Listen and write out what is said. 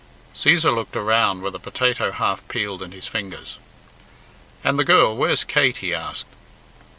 Cæsar looked around with a potato half peeled in his fingers. "And the girl where's Kate?" he asked.